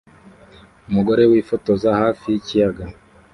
Umugore wifotoza hafi yikiyaga